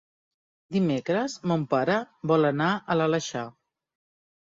Dimecres mon pare vol anar a l'Aleixar.